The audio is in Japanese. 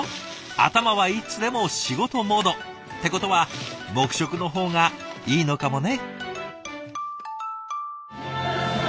頭はいつでも仕事モード。ってことは黙食の方がいいのかもね。